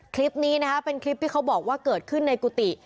คลิปนี้นะคะเป็นคลิปที่เขาบอกว่าเกิดขึ้นในกุฏิ